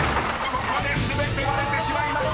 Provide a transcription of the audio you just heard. ここで全て割れてしまいました］